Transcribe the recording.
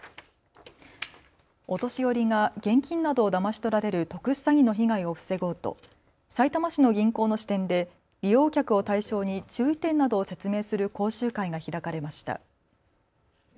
お年寄りが現金などをだまし取られる特殊詐欺の被害を防ごうとさいたま市の銀行の支店で利用客を対象に注意点などを説明する講習会が開かれました。